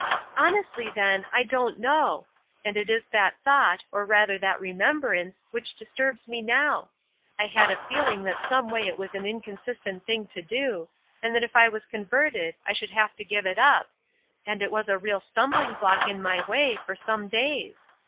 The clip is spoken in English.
"Honestly, then, I don't know; and it is that thought, or rather that remembrance, which disturbs me now. I had a feeling that someway it was an inconsistent thing to do, and that if I was converted I should have to give it up, and it was a real stumbling block in my way for some days.